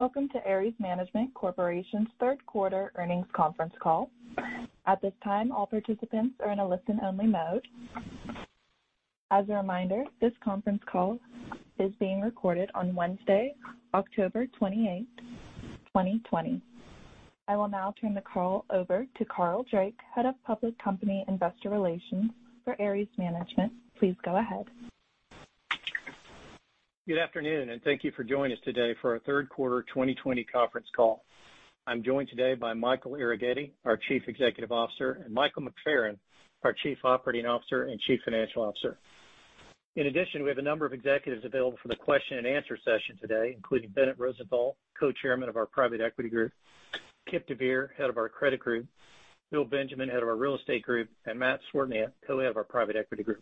Welcome to Ares Management Corporation's third quarter earnings conference call. At this time, all participants are in a listen-only mode. As a reminder, this conference call is being recorded on Wednesday, October 28, 2020. I will now turn the call over to Carl Drake, head of public company investor relations for Ares Management. Please go ahead. Good afternoon. Thank you for joining us today for our third quarter 2020 conference call. I'm joined today by Michael Arougheti, our Chief Executive Officer, and Michael McFerran, our Chief Operating Officer and Chief Financial Officer. In addition, we have a number of executives available for the question and answer session today, including Bennett Rosenthal, Co-Chairman of our private equity group, Kipp deVeer, Head of our credit group, Bill Benjamin, Head of our real estate group, and Matt Swartzentruber, Co-Head of our private equity group.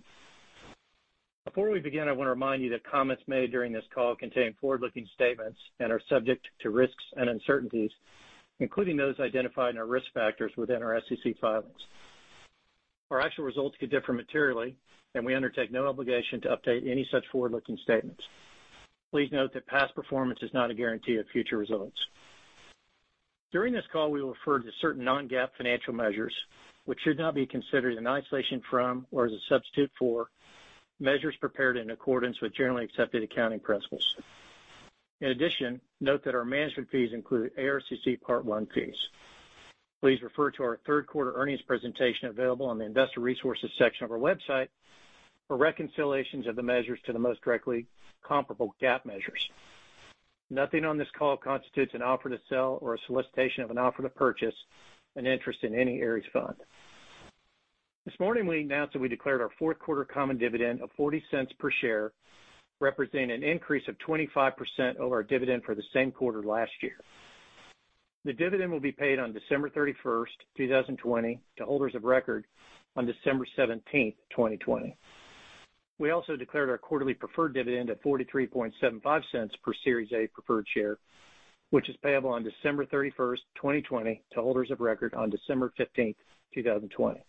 Before we begin, I want to remind you that comments made during this call contain forward-looking statements and are subject to risks and uncertainties, including those identified in our risk factors within our SEC filings. Our actual results could differ materially, and we undertake no obligation to update any such forward-looking statements. Please note that past performance is not a guarantee of future results. During this call, we will refer to certain non-GAAP financial measures, which should not be considered in isolation from or as a substitute for measures prepared in accordance with generally accepted accounting principles. In addition, note that our management fees include ARCC Part 1 fees. Please refer to our third quarter earnings presentation available on the investor resources section of our website for reconciliations of the measures to the most directly comparable GAAP measures. Nothing on this call constitutes an offer to sell or a solicitation of an offer to purchase an interest in any Ares fund. This morning, we announced that we declared our fourth quarter common dividend of $0.40 per share, representing an increase of 25% over our dividend for the same quarter last year. The dividend will be paid on December 31st, 2020 to holders of record on December 17th, 2020. We also declared our quarterly preferred dividend at $0.4375 per Series A preferred stock, which is payable on December 31st, 2020 to holders of record on December 15th, 2020.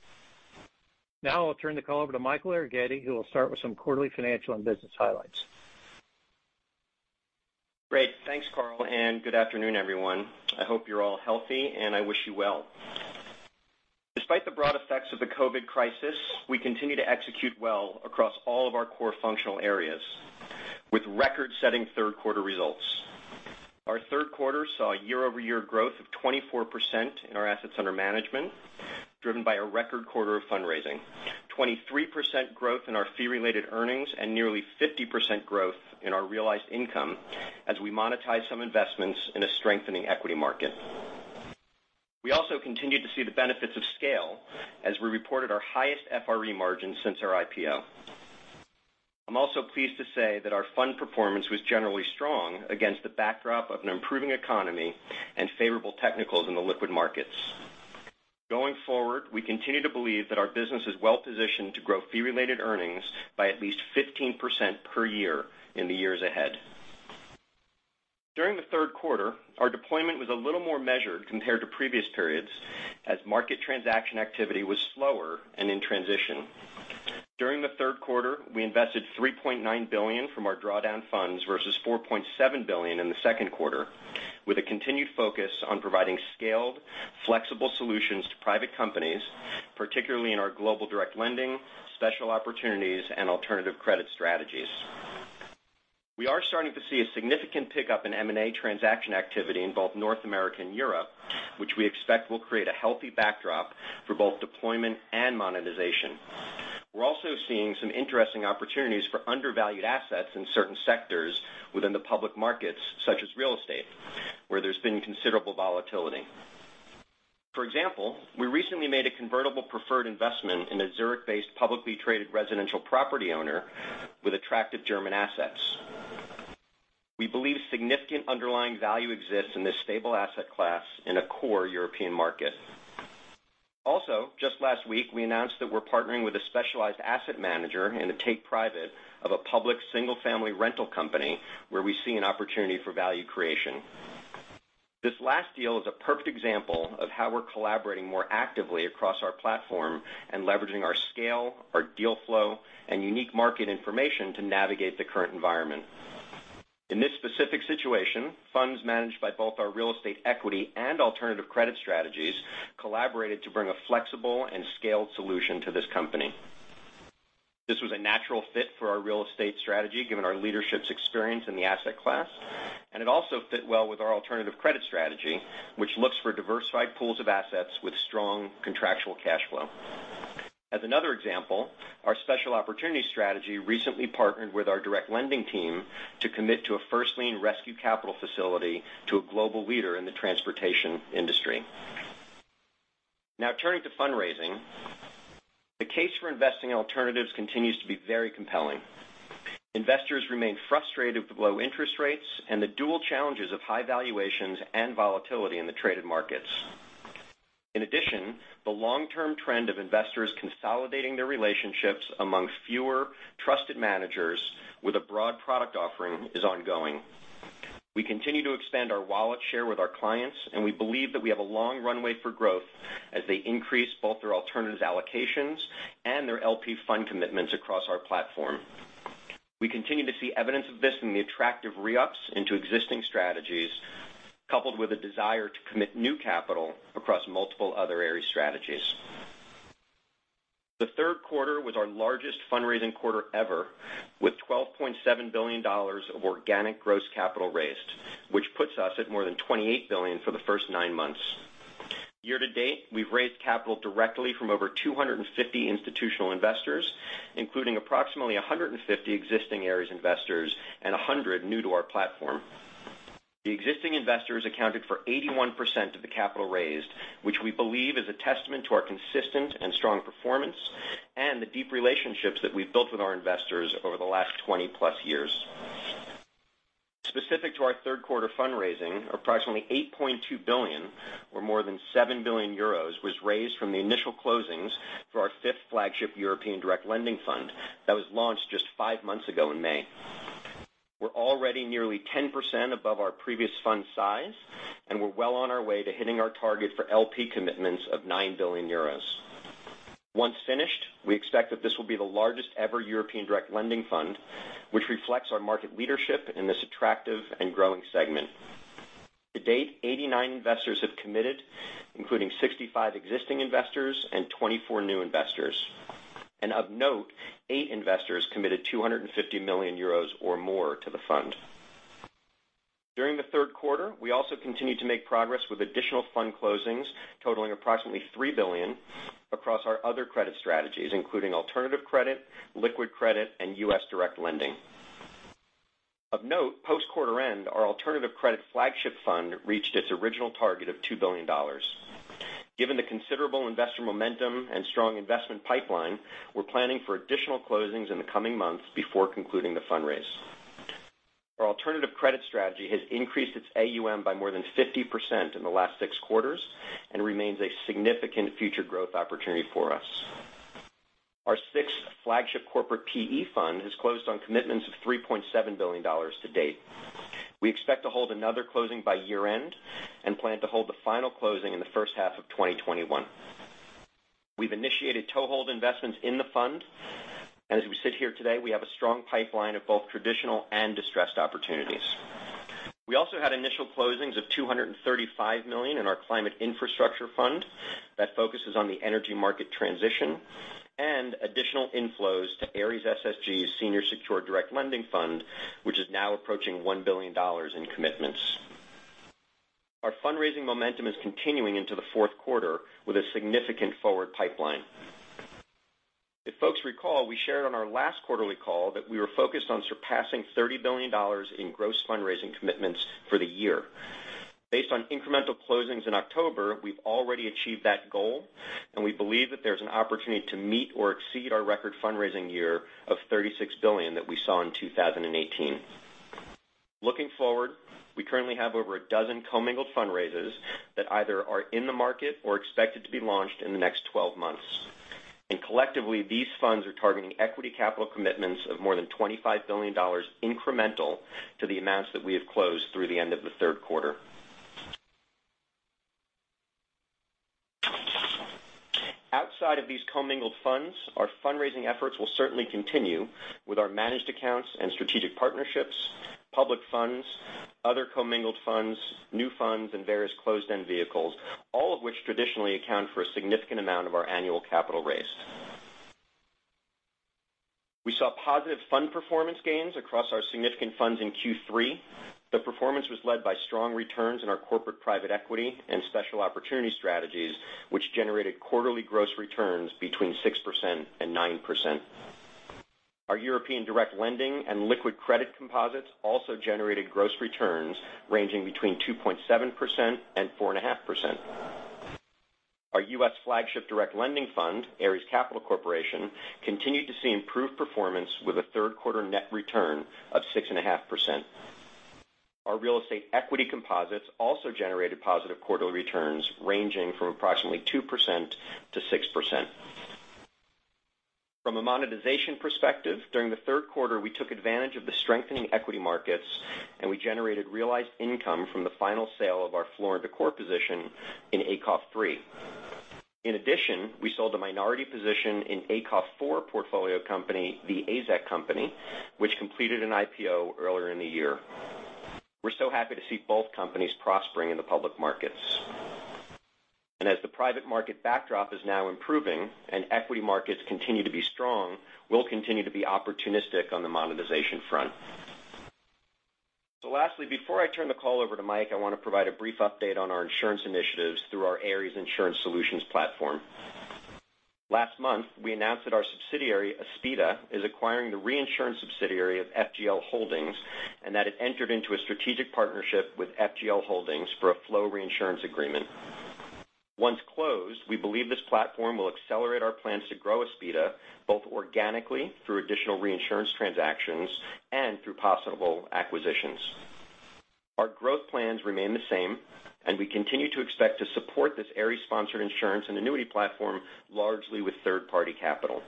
I'll turn the call over to Michael Arougheti, who will start with some quarterly financial and business highlights. Great. Thanks, Carl, and good afternoon, everyone. I hope you're all healthy, and I wish you well. Despite the broad effects of the COVID crisis, we continue to execute well across all of our core functional areas, with record-setting third quarter results. Our third quarter saw year-over-year growth of 24% in our assets under management, driven by a record quarter of fundraising, 23% growth in our fee-related earnings, and nearly 50% growth in our realized income as we monetize some investments in a strengthening equity market. We also continued to see the benefits of scale as we reported our highest FRE margin since our IPO. I am also pleased to say that our fund performance was generally strong against the backdrop of an improving economy and favorable technicals in the liquid markets. Going forward, we continue to believe that our business is well positioned to grow fee-related earnings by at least 15% per year in the years ahead. During the third quarter, our deployment was a little more measured compared to previous periods, as market transaction activity was slower and in transition. During the third quarter, we invested $3.9 billion from our drawdown funds versus $4.7 billion in the second quarter, with a continued focus on providing scaled, flexible solutions to private companies, particularly in our global direct lending, special opportunities, and alternative credit strategies. We are starting to see a significant pickup in M&A transaction activity in both North America and Europe, which we expect will create a healthy backdrop for both deployment and monetization. We're also seeing some interesting opportunities for undervalued assets in certain sectors within the public markets, such as real estate, where there's been considerable volatility. For example, we recently made a convertible preferred investment in a Zurich-based publicly traded residential property owner with attractive German assets. We believe significant underlying value exists in this stable asset class in a core European market. Also, just last week, we announced that we're partnering with a specialized asset manager in the take-private of a public single-family rental company where we see an opportunity for value creation. This last deal is a perfect example of how we're collaborating more actively across our platform and leveraging our scale, our deal flow, and unique market information to navigate the current environment. In this specific situation, funds managed by both our real estate equity and alternative credit strategies collaborated to bring a flexible and scaled solution to this company. This was a natural fit for our real estate strategy, given our leadership's experience in the asset class, and it also fit well with our alternative credit strategy, which looks for diversified pools of assets with strong contractual cash flow. As another example, our special opportunity strategy recently partnered with our direct lending team to commit to a first-lien rescue capital facility to a global leader in the transportation industry. Now turning to fundraising, the case for investing in alternatives continues to be very compelling. Investors remain frustrated with the low interest rates and the dual challenges of high valuations and volatility in the traded markets. In addition, the long-term trend of investors consolidating their relationships among fewer trusted managers with a broad product offering is ongoing. We continue to expand our wallet share with our clients, and we believe that we have a long runway for growth as they increase both their alternatives allocations and their LP fund commitments across our platform. We continue to see evidence of this in the attractive re-ups into existing strategies, coupled with a desire to commit new capital across multiple other Ares strategies. The third quarter was our largest fundraising quarter ever, with $12.7 billion of organic gross capital raised, which puts us at more than $28 billion for the first nine months. Year to date, we've raised capital directly from over 250 institutional investors, including approximately 150 existing Ares investors and 100 new to our platform. The existing investors accounted for 81% of the capital raised, which we believe is a testament to our consistent and strong performance and the deep relationships that we've built with our investors over the last 20+ years. Specific to our third quarter fundraising, approximately $8.2 billion, or more than €7 billion, was raised from the initial closings for our fifth flagship European direct lending fund that was launched just five months ago in May. We're already nearly 10% above our previous fund size, and we're well on our way to hitting our target for LP commitments of €9 billion. Once finished, we expect that this will be the largest ever European direct lending fund, which reflects our market leadership in this attractive and growing segment. To date, 89 investors have committed, including 65 existing investors and 24 new investors. Of note, eight investors committed 250 million euros or more to the fund. During the third quarter, we also continued to make progress with additional fund closings totaling approximately $3 billion across our other credit strategies, including alternative credit, liquid credit, and U.S. direct lending. Of note, post quarter end, our alternative credit flagship fund reached its original target of $2 billion. Given the considerable investor momentum and strong investment pipeline, we're planning for additional closings in the coming months before concluding the fundraise. Our alternative credit strategy has increased its AUM by more than 50% in the last six quarters and remains a significant future growth opportunity for us. Our sixth flagship corporate PE fund has closed on commitments of $3.7 billion to date. We expect to hold another closing by year-end and plan to hold the final closing in the first half of 2021. We've initiated toehold investments in the fund, and as we sit here today, we have a strong pipeline of both traditional and distressed opportunities. We also had initial closings of $235 million in our climate infrastructure fund that focuses on the energy market transition, and additional inflows to Ares SSG's senior secured direct lending fund, which is now approaching $1 billion in commitments. Our fundraising momentum is continuing into the fourth quarter with a significant forward pipeline. If folks recall, we shared on our last quarterly call that we were focused on surpassing $30 billion in gross fundraising commitments for the year. Based on incremental closings in October, we've already achieved that goal, and we believe that there's an opportunity to meet or exceed our record fundraising year of $36 billion that we saw in 2018. Looking forward, we currently have over 12 commingled fundraisers that either are in the market or expected to be launched in the next 12 months. Collectively, these funds are targeting equity capital commitments of more than $25 billion incremental to the amounts that we have closed through the end of the third quarter. Outside of these commingled funds, our fundraising efforts will certainly continue with our managed accounts and strategic partnerships, public funds, other commingled funds, new funds, and various closed-end vehicles, all of which traditionally account for a significant amount of our annual capital raised. We saw positive fund performance gains across our significant funds in Q3. The performance was led by strong returns in our corporate private equity and special opportunity strategies, which generated quarterly gross returns between 6% and 9%. Our European direct lending and liquid credit composites also generated gross returns ranging 2.7%-4.5%. Our U.S. flagship direct lending fund, Ares Capital Corporation, continued to see improved performance with a third quarter net return of 6.5%. Our real estate equity composites also generated positive quarterly returns, ranging from approximately 2%-6%. From a monetization perspective, during the third quarter, we took advantage of the strengthening equity markets, and we generated realized income from the final sale of our Floor & Decor position in ACOF III. In addition, we sold a minority position in ACOF IV portfolio company, The AZEK Company, which completed an IPO earlier in the year. We're so happy to see both companies prospering in the public markets. As the private market backdrop is now improving and equity markets continue to be strong, we'll continue to be opportunistic on the monetization front. Lastly, before I turn the call over to Mike, I want to provide a brief update on our insurance initiatives through our Ares Insurance Solutions platform. Last month, we announced that our subsidiary, Aspida, is acquiring the reinsurance subsidiary of FGL Holdings, and that it entered into a strategic partnership with FGL Holdings for a flow reinsurance agreement. Once closed, we believe this platform will accelerate our plans to grow Aspida, both organically through additional reinsurance transactions and through possible acquisitions. Our growth plans remain the same, and we continue to expect to support this Ares-sponsored insurance and annuity platform largely with third-party capital.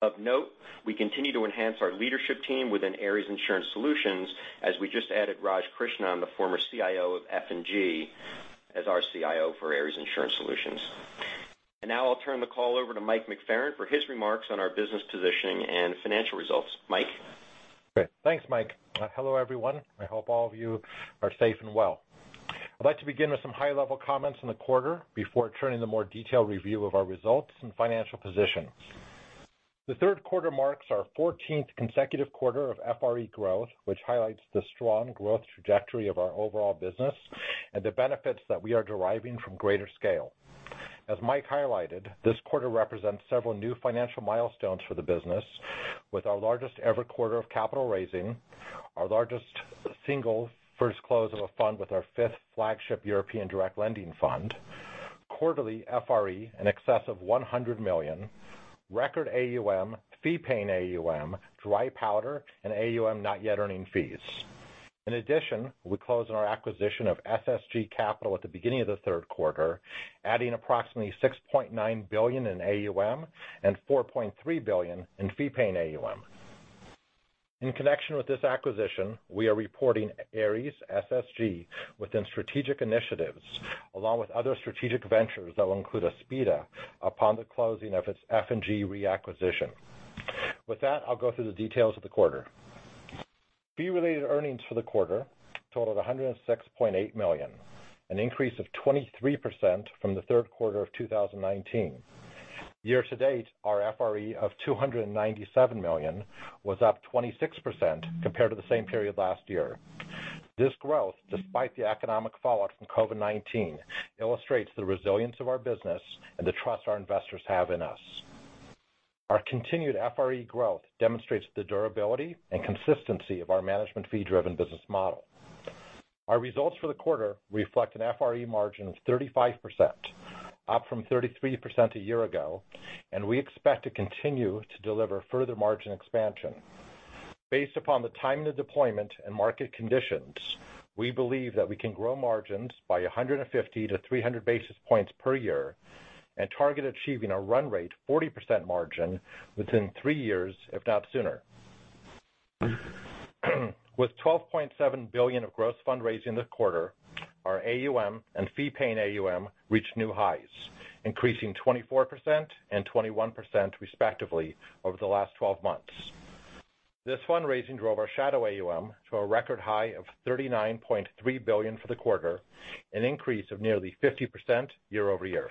Of note, we continue to enhance our leadership team within Ares Insurance Solutions, as we just added Raj Krishnan, the former CIO of F&G, as our CIO for Ares Insurance Solutions. Now I'll turn the call over to Mike McFerran for his remarks on our business positioning and financial results. Mike? Great. Thanks, Mike. Hello, everyone. I hope all of you are safe and well. I'd like to begin with some high-level comments on the quarter before turning to the more detailed review of our results and financial position. The third quarter marks our 14th consecutive quarter of FRE growth, which highlights the strong growth trajectory of our overall business and the benefits that we are deriving from greater scale. As Mike highlighted, this quarter represents several new financial milestones for the business, with our largest ever quarter of capital raising, our largest single first close of a fund with our fifth flagship European direct lending fund, quarterly FRE in excess of $100 million, record AUM, fee-paying AUM, dry powder, and AUM Not Yet Paying Fees. In addition, we closed on our acquisition of SSG Capital at the beginning of the third quarter, adding approximately $6.9 billion in AUM and $4.3 billion in fee-paying AUM. In connection with this acquisition, we are reporting Ares SSG within strategic initiatives, along with other strategic ventures that will include Aspida upon the closing of its F&G Reinsurance acquisition. With that, I'll go through the details of the quarter. Fee-Related Earnings for the quarter totaled $106.8 million, an increase of 23% from the third quarter of 2019. Year-to-date, our FRE of $297 million was up 26% compared to the same period last year. This growth, despite the economic fallout from COVID-19, illustrates the resilience of our business and the trust our investors have in us. Our continued FRE growth demonstrates the durability and consistency of our management fee-driven business model. Our results for the quarter reflect an FRE margin of 35%, up from 33% a year ago, and we expect to continue to deliver further margin expansion. Based upon the timing of deployment and market conditions, we believe that we can grow margins by 150 to 300 basis points per year and target achieving a run rate 40% margin within three years, if not sooner. With $12.7 billion of gross fundraising this quarter, our AUM and fee-paying AUM reached new highs, increasing 24% and 21% respectively over the last 12 months. This fundraising drove our shadow AUM to a record high of $39.3 billion for the quarter, an increase of nearly 50% year-over-year.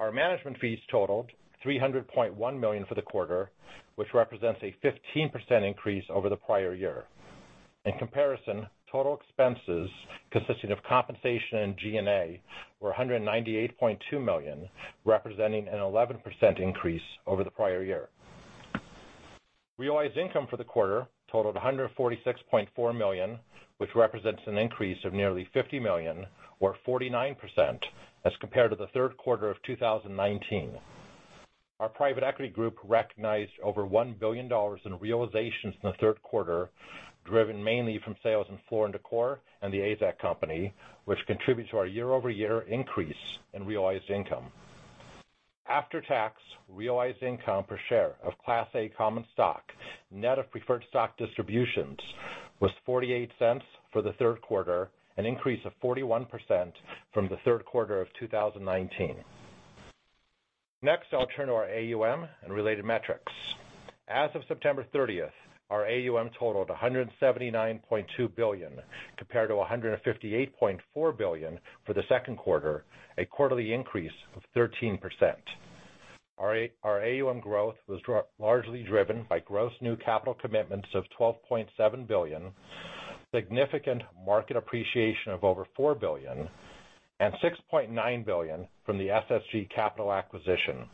Our management fees totaled $300.1 million for the quarter, which represents a 15% increase over the prior year. In comparison, total expenses consisting of compensation and G&A were $198.2 million, representing an 11% increase over the prior year. Realized income for the quarter totaled $146.4 million, which represents an increase of nearly $50 million or 49% as compared to the third quarter of 2019. Our private equity group recognized over $1 billion in realizations in the third quarter, driven mainly from sales in Floor & Decor and The AZEK Company, which contribute to our year-over-year increase in realized income. After-tax realized income per share of Class A common stock net of preferred stock distributions was $0.48 for the third quarter, an increase of 41% from the third quarter of 2019. Next, I'll turn to our AUM and related metrics. As of September 30th, our AUM totaled $179.2 billion, compared to $158.4 billion for the second quarter, a quarterly increase of 13%. Our AUM growth was largely driven by gross new capital commitments of $12.7 billion, significant market appreciation of over $4 billion, and $6.9 billion from the SSG Capital acquisition.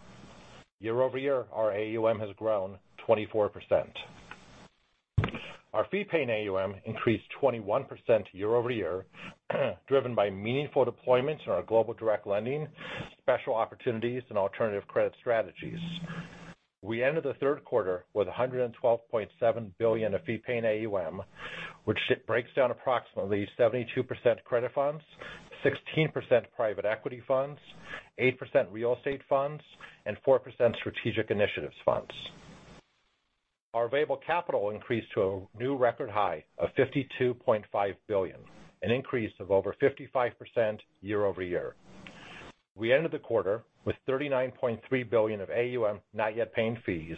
Year-over-year, our AUM has grown 24%. Our fee-paying AUM increased 21% year-over-year, driven by meaningful deployments in our global direct lending, special opportunities, and alternative credit strategies. We ended the third quarter with $112.7 billion of fee-paying AUM, which breaks down approximately 72% credit funds, 16% private equity funds, 8% real estate funds, and 4% strategic initiatives funds. Our available capital increased to a new record high of $52.5 billion, an increase of over 55% year-over-year. We ended the quarter with $39.3 billion of AUM not yet paying fees,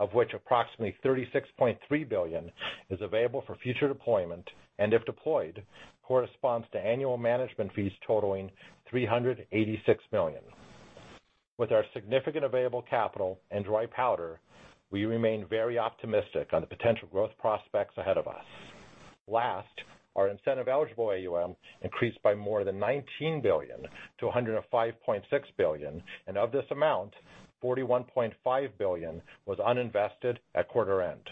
of which approximately $36.3 billion is available for future deployment, and if deployed, corresponds to annual management fees totaling $386 million. With our significant available capital and dry powder, we remain very optimistic on the potential growth prospects ahead of us. Last, our Incentive Eligible AUM increased by more than $19 billion to $105.6 billion, and of this amount, $41.5 billion was uninvested at quarter end.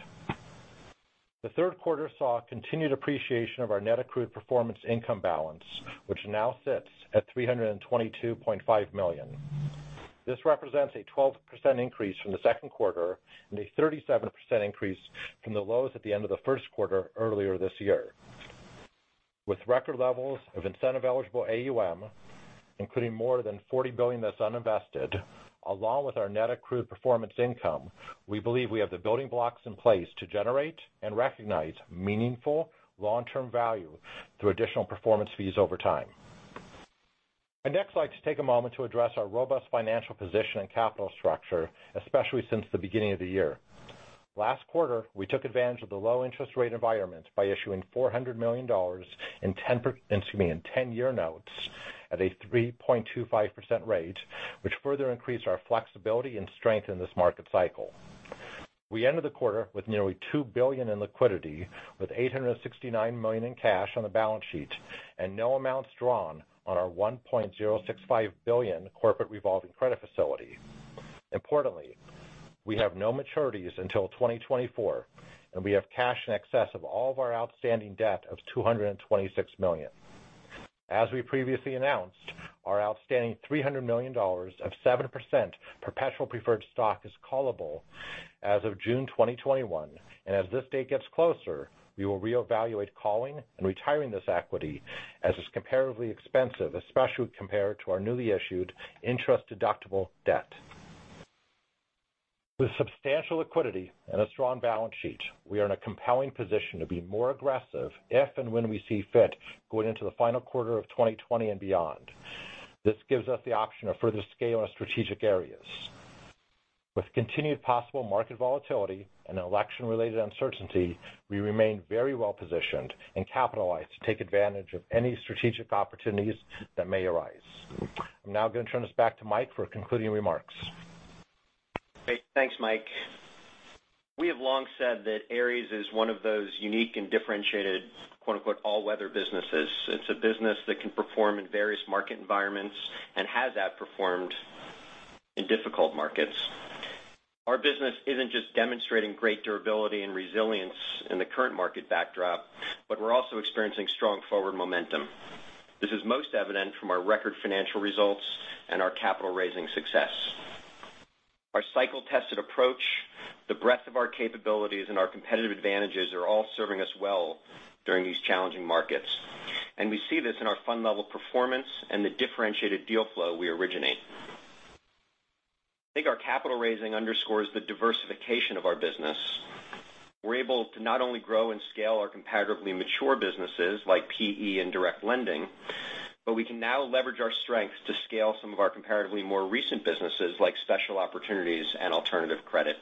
The third quarter saw continued appreciation of our net accrued performance income balance, which now sits at $322.5 million. This represents a 12% increase from the second quarter and a 37% increase from the lows at the end of the first quarter earlier this year. With record levels of Incentive Eligible AUM, including more than $40 billion that's uninvested, along with our net accrued performance income, we believe we have the building blocks in place to generate and recognize meaningful long-term value through additional performance fees over time. I'd next like to take a moment to address our robust financial position and capital structure, especially since the beginning of the year. Last quarter, we took advantage of the low interest rate environment by issuing $400 million in 10-year notes at a 3.25% rate, which further increased our flexibility and strength in this market cycle. We ended the quarter with nearly $2 billion in liquidity, with $869 million in cash on the balance sheet, and no amounts drawn on our $1.065 billion corporate revolving credit facility. Importantly, we have no maturities until 2024, and we have cash in excess of all of our outstanding debt of $226 million. As we previously announced, our outstanding $300 million of 7% perpetual preferred stock is callable as of June 2021. As this date gets closer, we will reevaluate calling and retiring this equity as it's comparatively expensive, especially compared to our newly issued interest-deductible debt. With substantial liquidity and a strong balance sheet, we are in a compelling position to be more aggressive if and when we see fit going into the final quarter of 2020 and beyond. This gives us the option of further scale in our strategic areas. With continued possible market volatility and election-related uncertainty, we remain very well-positioned and capitalized to take advantage of any strategic opportunities that may arise. I'm now going to turn this back to Mike for concluding remarks. Great. Thanks, Mike. We have long said that Ares is one of those unique and differentiated, quote-unquote, all-weather businesses. It's a business that can perform in various market environments and has outperformed in difficult markets. Our business isn't just demonstrating great durability and resilience in the current market backdrop, but we're also experiencing strong forward momentum. This is most evident from our record financial results and our capital-raising success. Our cycle-tested approach, the breadth of our capabilities, and our competitive advantages are all serving us well during these challenging markets. We see this in our fund level performance and the differentiated deal flow we originate. I think our capital raising underscores the diversification of our business. We're able to not only grow and scale our comparatively mature businesses like PE and direct lending, but we can now leverage our strengths to scale some of our comparatively more recent businesses, like special opportunities and alternative credit.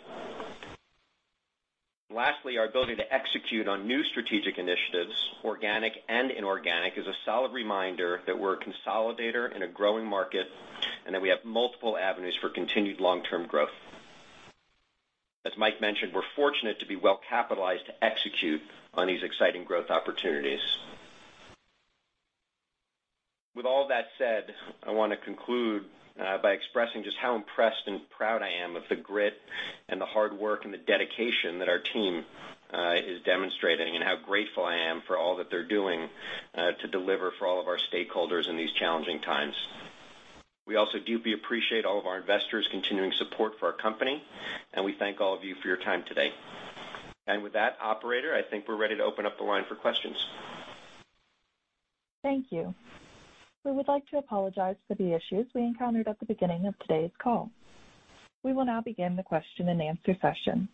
Lastly, our ability to execute on new strategic initiatives, organic and inorganic, is a solid reminder that we're a consolidator in a growing market and that we have multiple avenues for continued long-term growth. As Mike mentioned, we're fortunate to be well capitalized to execute on these exciting growth opportunities. With all that said, I want to conclude by expressing just how impressed and proud I am of the grit and the hard work and the dedication that our team is demonstrating, and how grateful I am for all that they're doing to deliver for all of our stakeholders in these challenging times. We also deeply appreciate all of our investors' continuing support for our company, and we thank all of you for your time today. With that, operator, I think we're ready to open up the line for questions. Thank you. We would like to apologize for the issues we encountered at the beginning of today's call. We will now begin the question and answer session.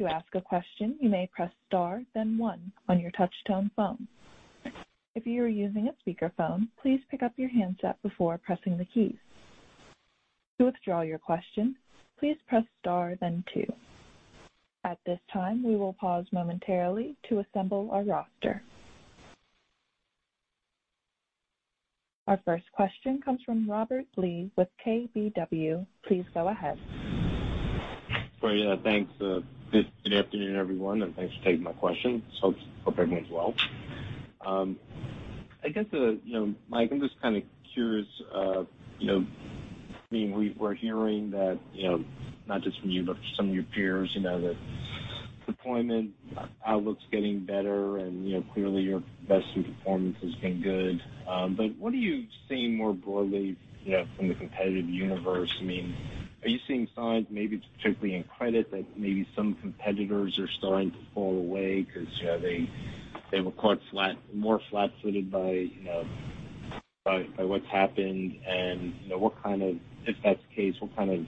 To ask a question you may press star then one on your touch-tone phone. If you are using your speaker phone please pick up your headset before pressing the key. To withdraw your question please press star then two. At this time we will pause momentarily to assemble our roster. Our first question comes from Robert Lee with KBW. Please go ahead. Great. Thanks. Good afternoon, everyone, and thanks for taking my question. I hope everyone's well. I guess, Mike, I'm just kind of curious, we're hearing that, not just from you, but from some of your peers, that deployment outlook's getting better, and clearly your investment performance has been good. What are you seeing more broadly from the competitive universe? Are you seeing signs, maybe particularly in credit, that maybe some competitors are starting to fall away because they were caught more flat-footed by what's happened? If that's the case, what kind of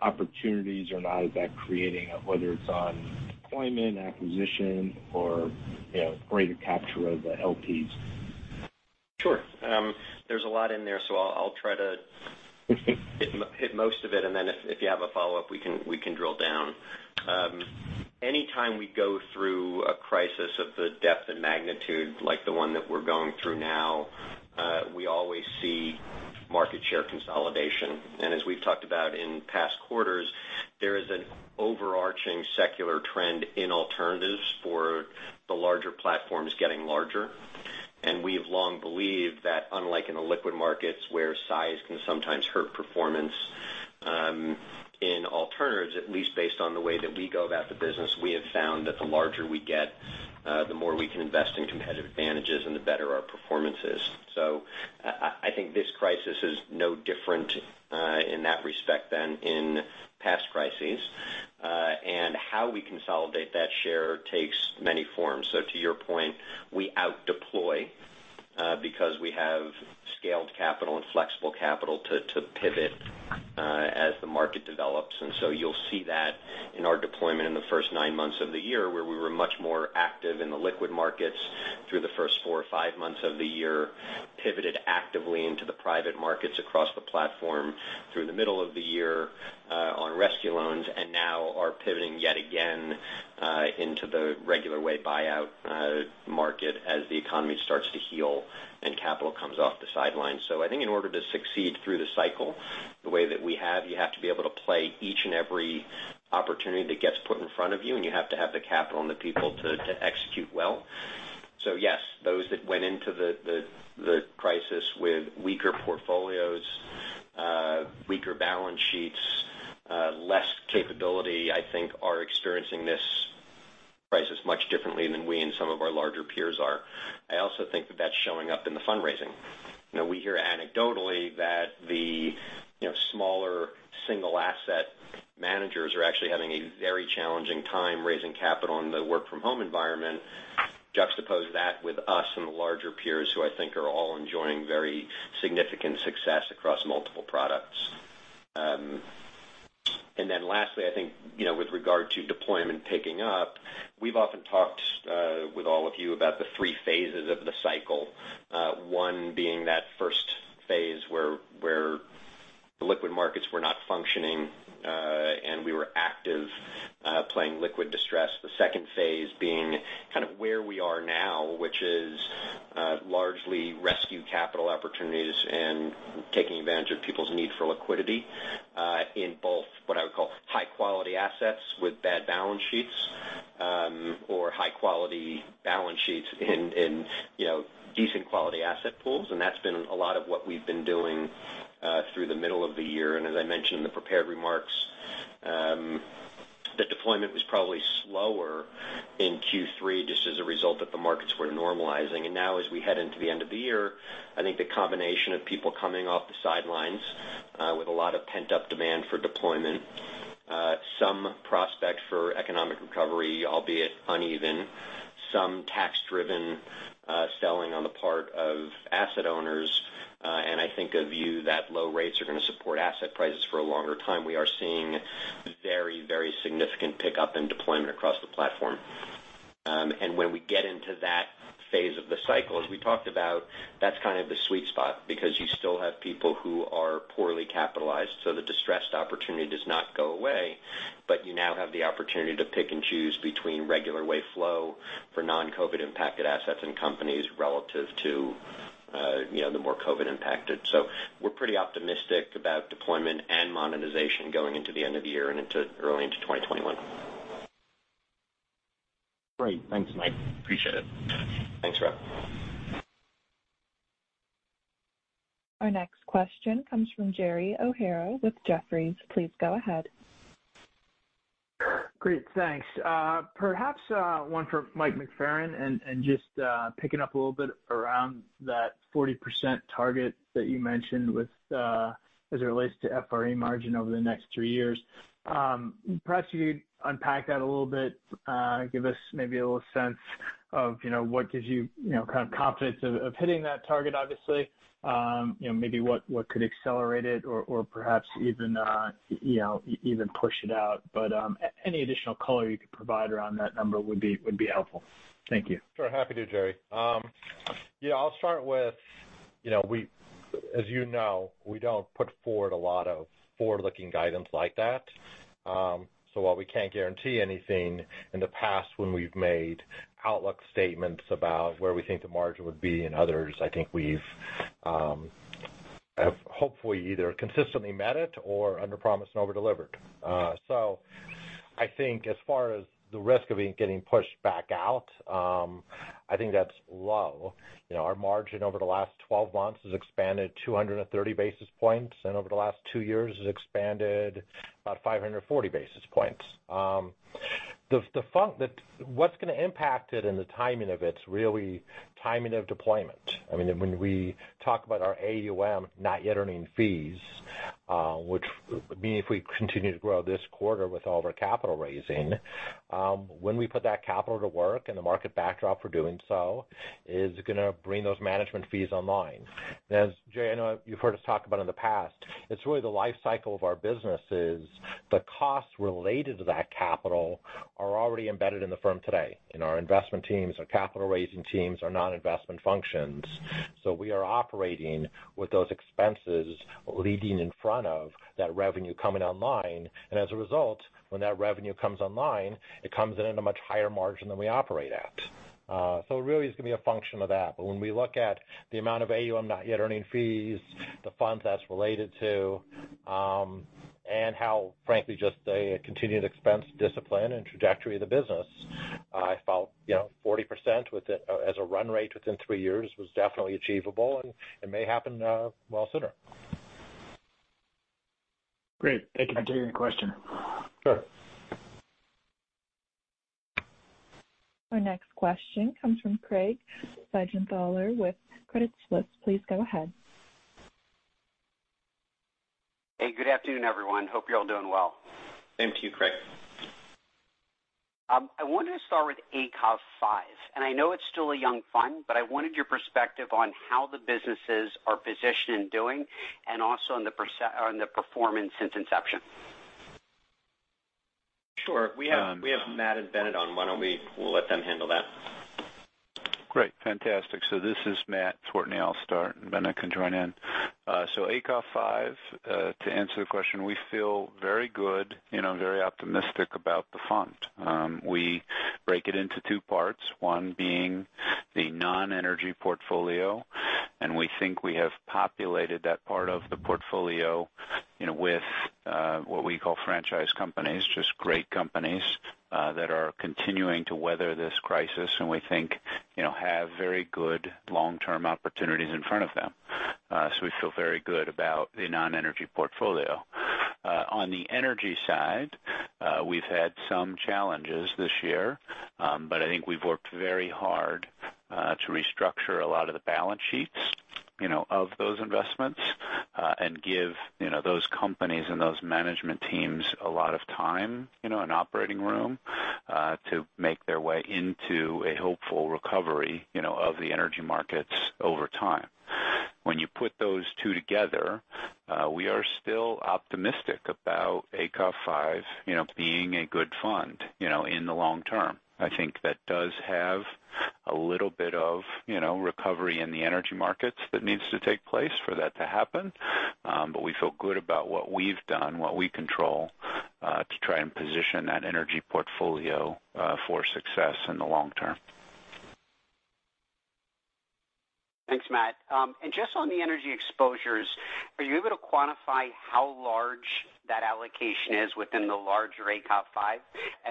opportunities or not is that creating, whether it's on deployment, acquisition, or greater capture of the LPs? Sure. There's a lot in there. I'll try to hit most of it, and then if you have a follow-up, we can drill down. Anytime we go through a crisis of the depth and magnitude like the one that we're going through now, we always see market share consolidation. As we've talked about in past quarters, there is an overarching secular trend in alternatives for the larger platforms getting larger. We've long believed that unlike in the liquid markets where size can sometimes hurt performance, in alternatives, at least based on the way that we go about the business, we have found that the larger we get, the more we can invest in competitive advantages and the better our performance is. I think this crisis is no different in that respect than in past crises. How we consolidate that share takes many forms. To your point, we out-deploy because we have scaled capital and flexible capital to pivot as the market develops. You'll see that in our deployment in the first nine months of the year, where we were much more active in the liquid markets through the first four or five months of the year, pivoted actively into the private markets across the platform through the middle of the year on rescue loans. Now are pivoting yet again into the regular way buyout market as the economy starts to heal and capital comes off the sidelines. I think in order to succeed through the cycle the way that we have, you have to be able to play each and every opportunity that gets put in front of you, and you have to have the capital and the people to execute well. Yes, those that went into the crisis with weaker portfolios, weaker balance sheets, less capability, I think are experiencing this crisis much differently than we and some of our larger peers are. I also think that that's showing up in the fundraising. We hear anecdotally that the smaller single-asset managers are actually having a very challenging time raising capital in the work-from-home environment. Juxtapose that with us and the larger peers, who I think are all enjoying very significant success across multiple products. Lastly, I think, with regard to deployment picking up, we've often talked with all of you about the three phases of the cycle. One being that first phase where the liquid markets were not functioning, and we were active playing liquid distress. The second phase being kind of where we are now, which is largely rescue capital opportunities and taking advantage of people's need for liquidity in both, what I would call high-quality assets with bad balance sheets or high-quality balance sheets in decent quality asset pools. That's been a lot of what we've been doing through the middle of the year. As I mentioned in the prepared remarks, the deployment was probably slower in Q3, just as a result that the markets were normalizing. Now, as we head into the end of the year, I think the combination of people coming off the sidelines with a lot of pent-up demand for deployment, some prospect for economic recovery, albeit uneven, some tax-driven selling on the part of asset owners, and I think a view that low rates are going to support asset prices for a longer time. We are seeing very significant pickup in deployment across the platform. When we get into that phase of the cycle, as we talked about, that's kind of the sweet spot because you still have people who are poorly capitalized. The distressed opportunity does not go away, but you now have the opportunity to pick and choose between regular way flow for non-COVID impacted assets and companies relative to the more COVID impacted. We're pretty optimistic about deployment and monetization going into the end of the year and early into 2021. Great. Thanks, Mike. Appreciate it. Thanks, Rob. Our next question comes from Jerry O'Hara with Jefferies. Please go ahead. Great. Thanks. Perhaps one for Mike McFerran, just picking up a little bit around that 40% target that you mentioned as it relates to FRE margin over the next three years. Perhaps you could unpack that a little bit, give us maybe a little sense of what gives you confidence of hitting that target, obviously. Maybe what could accelerate it or perhaps even push it out. Any additional color you could provide around that number would be helpful. Thank you. Sure. Happy to, Jerry. I'll start with, as you know, we don't put forward a lot of forward-looking guidance like that. While we can't guarantee anything in the past when we've made outlook statements about where we think the margin would be and others, I think we've hopefully either consistently met it or underpromised and over-delivered. I think as far as the risk of it getting pushed back out, I think that's low. Our margin over the last 12 months has expanded 230 basis points, and over the last two years has expanded about 540 basis points. What's going to impact it and the timing of it is really timing of deployment. When we talk about our AUM, not yet earning fees. If we continue with growth this quarter with all the capital raising. When we put that capital to work and the market backdrop for doing so is going to bring those management fees online. As Jerry, I know you've heard us talk about in the past, it's really the life cycle of our businesses. The costs related to that capital are already embedded in the firm today in our investment teams, our capital raising teams, our non-investment functions. We are operating with those expenses leading in front of that revenue coming online. As a result, when that revenue comes online, it comes in at a much higher margin than we operate at. It really is going to be a function of that. When we look at the amount of AUM Not Yet Paying Fees, the funds that's related to, and how frankly, just a continued expense discipline and trajectory of the business. I felt 40% as a run rate within three years was definitely achievable and it may happen well sooner. Great. Thank you. Can I take a question? Sure. Our next question comes from Craig Siegenthaler with Credit Suisse. Please go ahead. Hey, good afternoon, everyone. Hope you're all doing well. Same to you, Craig. I wanted to start with ACOF V, and I know it's still a young fund, but I wanted your perspective on how the businesses are positioned and doing, and also on the performance since inception. Sure. We have Matt and Bennett on. Why don't we let them handle that? Great. Fantastic. This is Matt Courtney. I'll start, and Bennett can join in. ACOF V, to answer the question, we feel very good, very optimistic about the fund. We break it into two parts, one being the non-energy portfolio, and we think we have populated that part of the portfolio with what we call franchise companies. Just great companies that are continuing to weather this crisis, and we think have very good long-term opportunities in front of them. We feel very good about the non-energy portfolio. On the energy side, we've had some challenges this year. I think we've worked very hard to restructure a lot of the balance sheets of those investments. Give those companies and those management teams a lot of time and operating room to make their way into a hopeful recovery of the energy markets over time. When you put those two together, we are still optimistic about ACOF V being a good fund in the long term. I think that does have a little bit of recovery in the energy markets that needs to take place for that to happen. We feel good about what we've done, what we control, to try and position that energy portfolio for success in the long term. Thanks, Matt. Just on the energy exposures, are you able to quantify how large that allocation is within the larger ACOF V?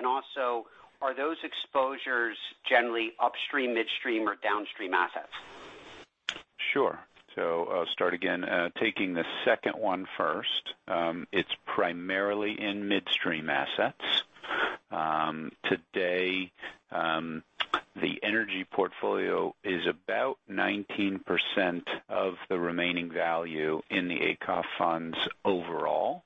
Also, are those exposures generally upstream, midstream, or downstream assets? Sure. I'll start again, taking the second one first. It's primarily in midstream assets. Today, the energy portfolio is about 19% of the remaining value in the ACOF funds overall.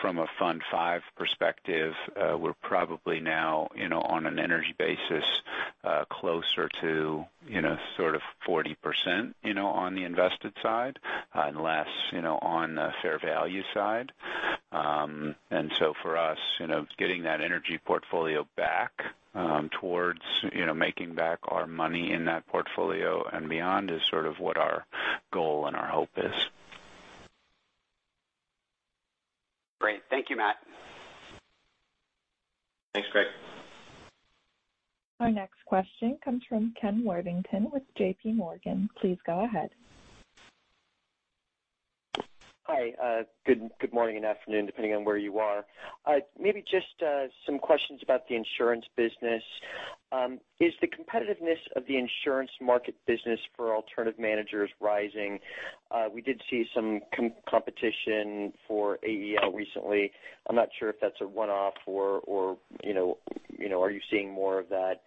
From a fund V perspective, we're probably now on an energy basis closer to 40% on the invested side and less on the fair value side. For us, getting that energy portfolio back towards making back our money in that portfolio and beyond is what our goal and our hope is. Great. Thank you, Matt. Thanks, Craig. Our next question comes from Ken Worthington with JP Morgan. Please go ahead. Hi. Good morning and afternoon, depending on where you are. Maybe just some questions about the insurance business. Is the competitiveness of the insurance market business for alternative managers rising? We did see some competition for AEL recently. I'm not sure if that's a one-off or are you seeing more of that?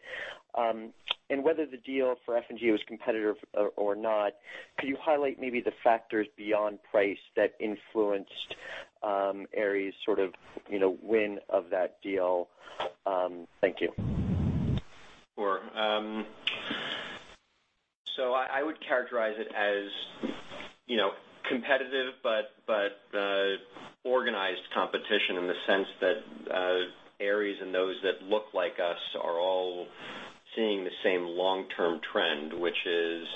Whether the deal for F&G was competitive or not, could you highlight maybe the factors beyond price that influenced Ares win of that deal? Thank you. Sure. I would characterize it as competitive but organized competition in the sense that Ares and those that look like us are all seeing the same long-term trend, which is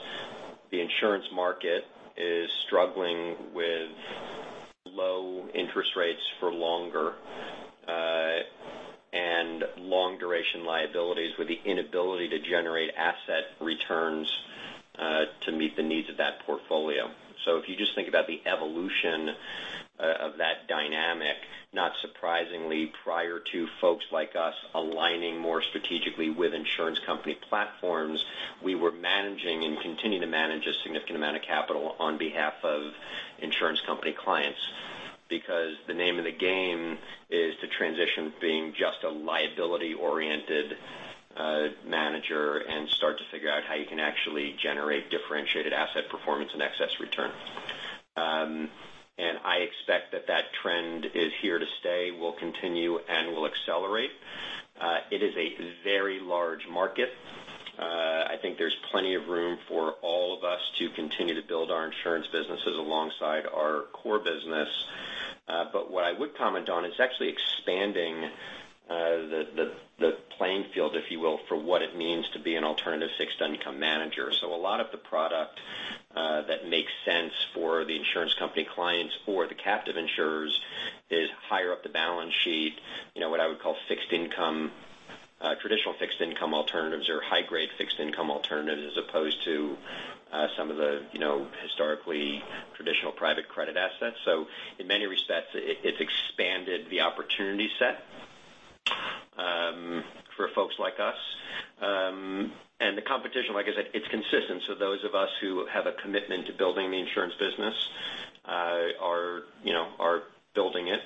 the insurance market is struggling with low interest rates for longer. Long duration liabilities with the inability to generate asset returns to meet the needs of that portfolio. If you just think about the evolution of that dynamic, not surprisingly, prior to folks like us aligning more strategically with insurance company platforms, we were managing and continue to manage a significant amount of capital on behalf of insurance company clients. Because the name of the game is to transition being just a liability-oriented manager, and start to figure out how you can actually generate differentiated asset performance and excess return. I expect that that trend is here to stay, will continue, and will accelerate. It is a very large market. I think there's plenty of room for all of us to continue to build our insurance businesses alongside our core business. What I would comment on is actually expanding the playing field, if you will, for what it means to be an alternative fixed income manager. A lot of the product that makes sense for the insurance company clients or the captive insurers is higher up the balance sheet, what I would call traditional fixed income alternatives or high-grade fixed income alternatives, as opposed to some of the historically traditional private credit assets. In many respects, it's expanded the opportunity set for folks like us. The competition, like I said, it's consistent. Those of us who have a commitment to building the insurance business are building it.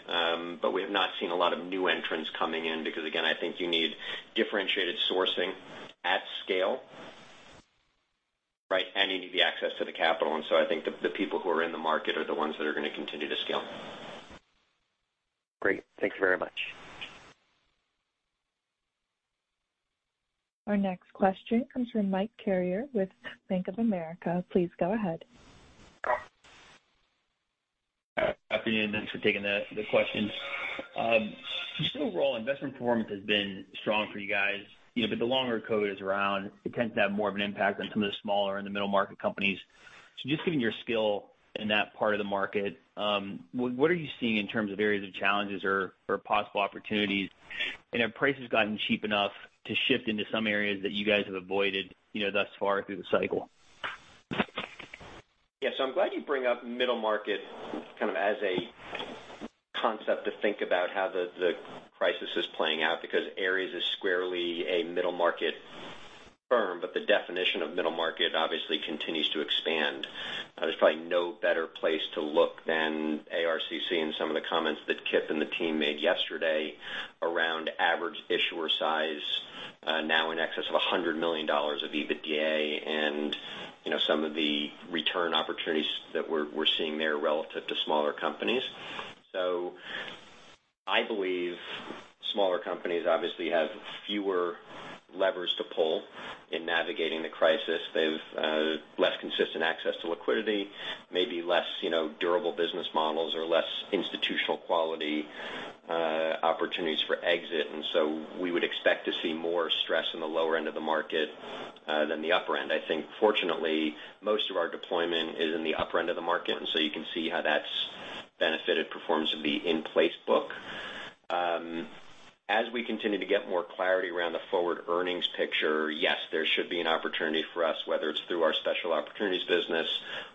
We have not seen a lot of new entrants coming in because, again, I think you need differentiated sourcing at scale. You need the access to the capital. I think the people who are in the market are the ones that are going to continue to scale. Great. Thank you very much. Our next question comes from Mike Carrier with Bank of America. Please go ahead. Good afternoon. Thanks for taking the questions. Just overall, investment performance has been strong for you guys. The longer COVID is around, it tends to have more of an impact on some of the smaller and the middle-market companies. Given your skill in that part of the market, what are you seeing in terms of areas of challenges or possible opportunities? Have prices gotten cheap enough to shift into some areas that you guys have avoided thus far through the cycle? Yeah. I'm glad you bring up middle market kind of as a concept to think about how the crisis is playing out, because Ares is squarely a middle market firm. The definition of middle market obviously continues to expand. There's probably no better place to look than ARCC and some of the comments that Kipp and the team made yesterday around average issuer size, now in excess of $100 million of EBITDA. Some of the return opportunities that we're seeing there relative to smaller companies. I believe smaller companies obviously have fewer levers to pull in navigating the crisis. They've less consistent access to liquidity, maybe less durable business models or less institutional quality opportunities for exit. We would expect to see more stress in the lower end of the market, than the upper end. I think fortunately, most of our deployment is in the upper end of the market. You can see how that's benefited performance of the in-place book. As we continue to get more clarity around the forward earnings picture, yes, there should be an opportunity for us, whether it's through our special opportunities business,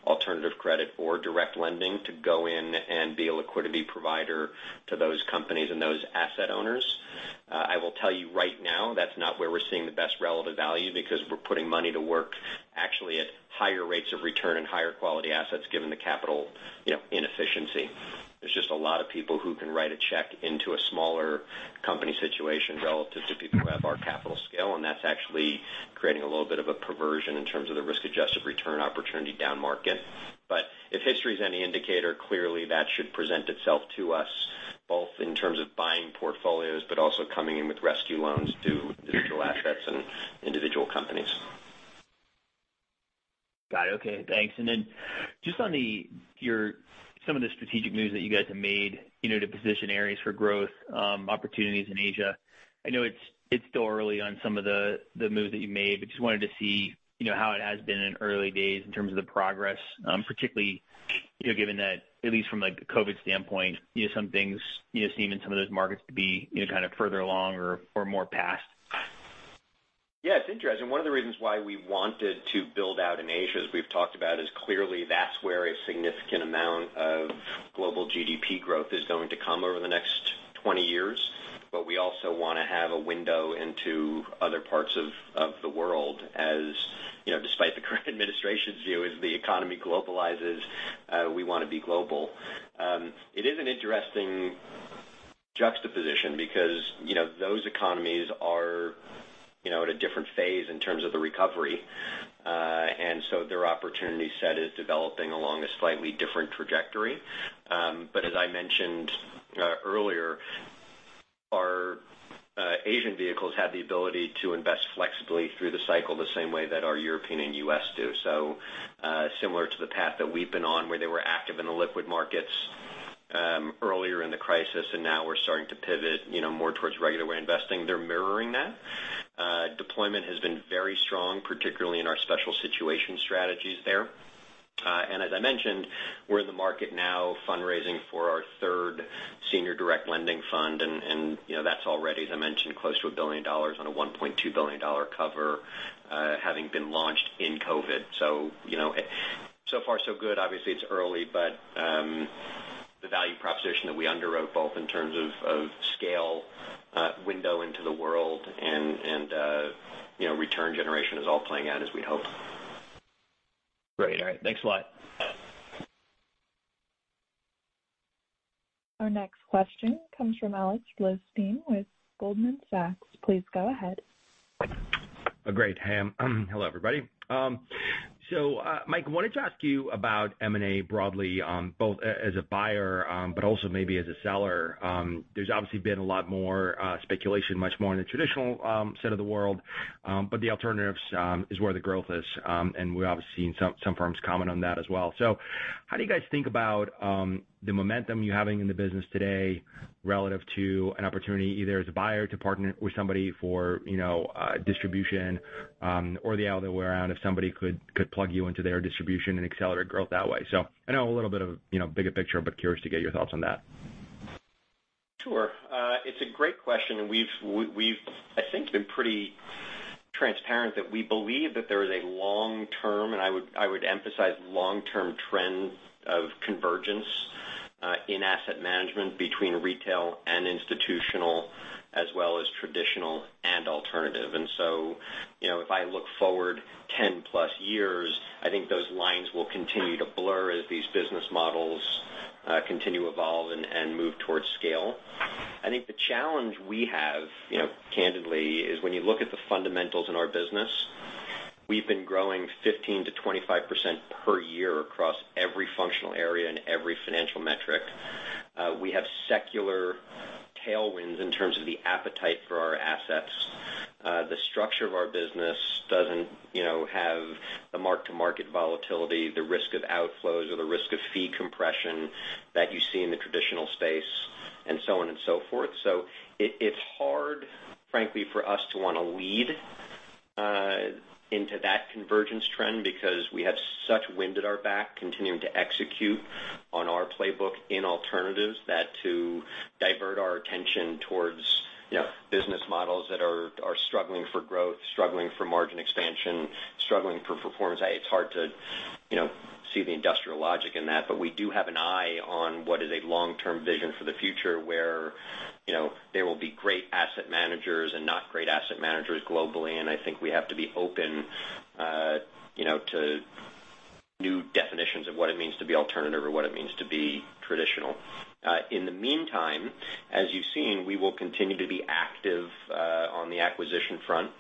alternative credit or direct lending, to go in and be a liquidity provider to those companies and those asset owners. I will tell you right now, that's not where we're seeing the best relative value because we're putting money to work actually at higher rates of return and higher quality assets, given the capital inefficiency. There's just a lot of people who can write a check into a smaller company situation relative to people who have our capital scale. That's actually creating a little bit of a perversion in terms of the risk-adjusted return opportunity down market. If history is any indicator, clearly that should present itself to us both in terms of buying portfolios, but also coming in with rescue loans to individual assets and individual companies. Got it. Okay, thanks. Then just on some of the strategic moves that you guys have made to position Ares for growth opportunities in Asia. I know it's still early on some of the moves that you made, but just wanted to see how it has been in early days in terms of the progress, particularly given that at least from a COVID standpoint, some things seem in some of those markets to be kind of further along or more past. Yeah, it's interesting. One of the reasons why we wanted to build out in Asia, as we've talked about, is clearly that's where a significant amount of global GDP growth is going to come over the next 20 years. We also want to have a window into other parts of the world, as despite the current administration's view, as the economy globalizes, we want to be global. It is an interesting juxtaposition because those economies are at a different phase in terms of the recovery. Their opportunity set is developing along a slightly different trajectory. As I mentioned earlier, our Asian vehicles have the ability to invest flexibly through the cycle the same way that our European and U.S. do. Similar to the path that we've been on, where they were active in the liquid markets earlier in the crisis, and now we're starting to pivot more towards regular way investing. They're mirroring that. Deployment has been very strong, particularly in our special situation strategies there. As I mentioned, we're in the market now fundraising for our third senior direct lending fund. That's already, as I mentioned, close to $1 billion on a $1.2 billion cover having been launched in COVID. Far so good. Obviously, it's early, but the value proposition that we underwrote both in terms of scale window into the world and return generation is all playing out as we'd hoped. Great. All right. Thanks a lot. Our next question comes from Alex Lisztwan with Goldman Sachs. Please go ahead. Great. Hey. Hello, everybody. Mike, wanted to ask you about M&A broadly both as a buyer but also maybe as a seller. There's obviously been a lot more speculation, much more in the traditional side of the world. The alternatives is where the growth is. We obviously seen some firms comment on that as well. How do you guys think about the momentum you're having in the business today relative to an opportunity, either as a buyer to partner with somebody for distribution or the other way around if somebody could plug you into their distribution and accelerate growth that way. I know a little bit of bigger picture, but curious to get your thoughts on that. Sure. It's a great question. We've I think been pretty transparent that we believe that there is a long-term, and I would emphasize long-term trend of convergence in asset management between retail and institutional as well as traditional and alternative. If I look forward 10 plus years, I think those lines will continue to blur as these business models continue evolve and move towards scale. I think the challenge we have, candidly, is when you look at the fundamentals in our business, we've been growing 15%-25% per year across every functional area and every financial metric. We have secular tailwinds in terms of the appetite for our assets. The structure of our business doesn't have the mark-to-market volatility, the risk of outflows, or the risk of fee compression that you see in the traditional space, and so on and so forth. It's hard, frankly, for us to want to lead into that convergence trend because we have such wind at our back continuing to execute on our playbook in alternatives that to divert our attention towards business models that are struggling for growth, struggling for margin expansion, struggling for performance. It's hard to see the industrial logic in that. We do have an eye on what is a long-term vision for the future where there will be great asset managers and not great asset managers globally. I think we have to be open to new definitions of what it means to be alternative or what it means to be traditional. In the meantime, as you've seen, we will continue to be active on the acquisition front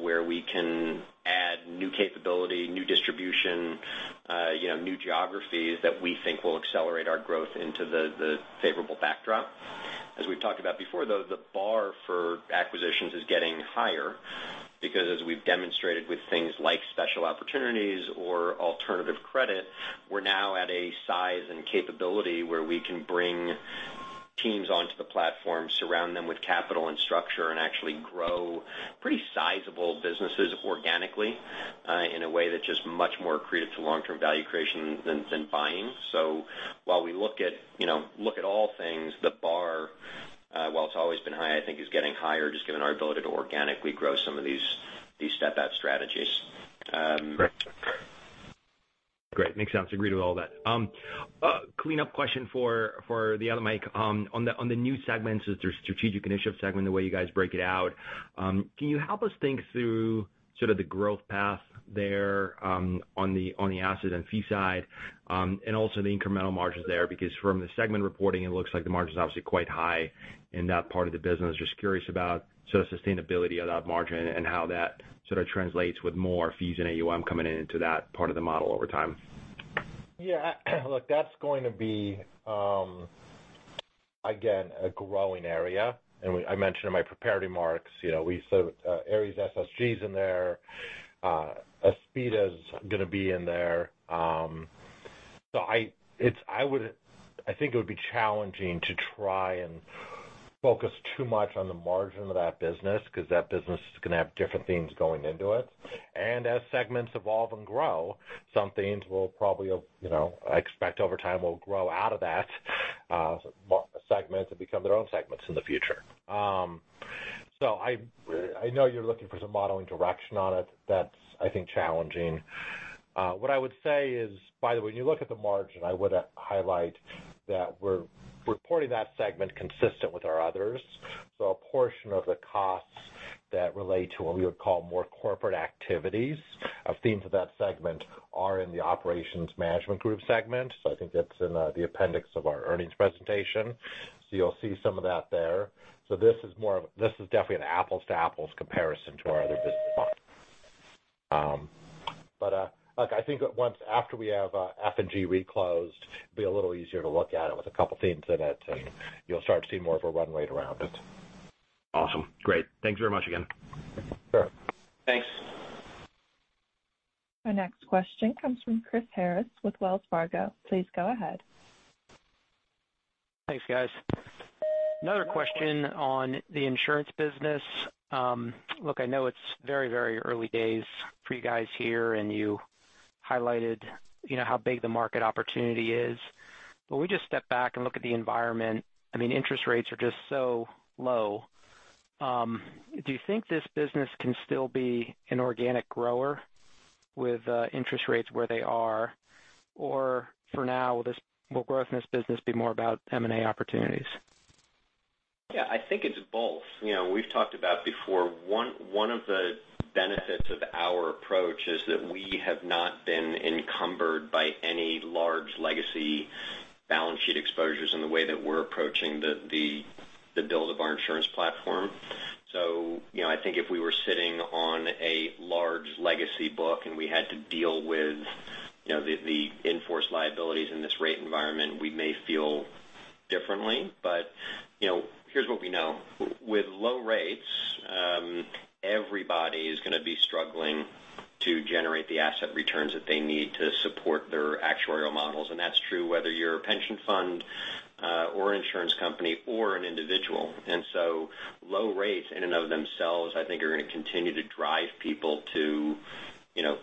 where we can add new capability, new distribution, new geographies that we think will accelerate our growth into the favorable backdrop. As we've talked about before, though, the bar for acquisitions is getting higher because as we've demonstrated with things like special opportunities or alternative credit, we're now at a size and capability where we can bring teams onto the platform, surround them with capital and structure, and actually grow pretty sizable businesses organically in a way that's just much more accretive to long-term value creation than buying. While we look at all things, the bar, while it's always been high, I think is getting higher just given our ability to organically grow some of these step-out strategies. Great. Makes sense. Agree to all that. A cleanup question for the other Mike. On the new segments, the Strategic Initiatives Segment, the way you guys break it out, can you help us think through sort of the growth path there on the asset and fee side and also the incremental margins there? Because from the segment reporting, it looks like the margin's obviously quite high in that part of the business. Just curious about sort of sustainability of that margin and how that sort of translates with more fees and AUM coming into that part of the model over time. Yeah. Look, that's going to be, again, a growing area. I mentioned in my prepared remarks, Ares SSG is in there. Aspida is going to be in there. I think it would be challenging to try and focus too much on the margin of that business because that business is going to have different themes going into it. As segments evolve and grow, some themes will probably, I expect over time, will grow out of that segment and become their own segments in the future. I know you're looking for some modeling direction on it. That's, I think, challenging. What I would say is, by the way, when you look at the margin, I would highlight that we're reporting that segment consistent with our others. A portion of the costs that relate to what we would call more corporate activities of themes of that segment are in the Operations Management Group segment. I think that's in the appendix of our earnings presentation. You'll see some of that there. This is definitely an apples to apples comparison to our other business lines. Look, I think once after we have F&G Re closed, it'll be a little easier to look at it with a couple themes in it, and you'll start to see more of a runway around it. Awesome. Great. Thanks very much again. Sure. Thanks. Our next question comes from Chris Harris with Wells Fargo. Please go ahead. Thanks, guys. Another question on the insurance business. Look, I know it's very early days for you guys here, and you highlighted how big the market opportunity is. When we just step back and look at the environment, I mean, interest rates are just so low. Do you think this business can still be an organic grower with interest rates where they are? For now, will growth in this business be more about M&A opportunities? Yeah, I think it's both. We've talked about before, one of the benefits of our approach is that we have not been encumbered by any large legacy balance sheet exposures in the way that we're approaching the build of our insurance platform. I think if we were sitting on a large legacy book and we had to deal with the In-forced liabilities in this rate environment, we may feel differently. Here's what we know. With low rates, everybody's going to be struggling to generate the asset returns that they need to support their actuarial models. That's true whether you're a pension fund or insurance company or an individual. Low rates in and of themselves, I think are going to continue to drive people to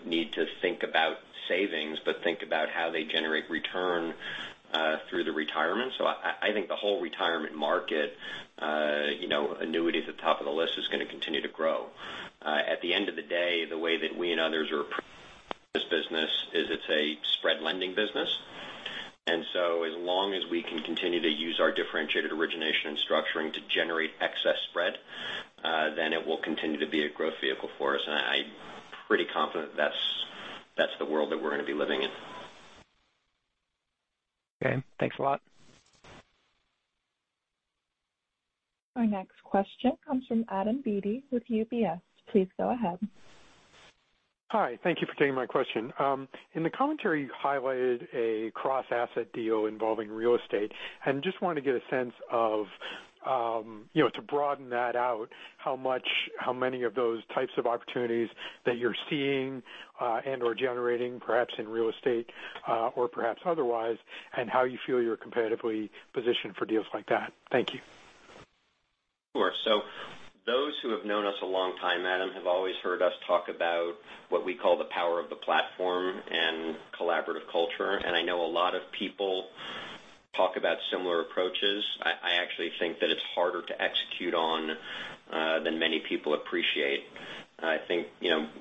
need to think about savings, but think about how they generate return through the retirement. I think the whole retirement market, annuity at the top of the list, is going to continue to grow. At the end of the day, the way that we and others are approaching this business is it's a spread lending business. As long as we can continue to use our differentiated origination and structuring to generate excess spread. It will continue to be a growth vehicle for us, and I'm pretty confident that's the world that we're going to be living in. Okay. Thanks a lot. Our next question comes from Adam Beatty with UBS. Please go ahead. Hi. Thank you for taking my question. In the commentary, you highlighted a cross-asset deal involving real estate. Just wanted to get a sense of, to broaden that out, how many of those types of opportunities that you're seeing, and or generating, perhaps in real estate or perhaps otherwise. How you feel you're competitively positioned for deals like that? Thank you. Sure. Those who have known us a long time, Adam, have always heard us talk about what we call the power of the platform and collaborative culture, and I know a lot of people talk about similar approaches. I actually think that it's harder to execute on than many people appreciate. I think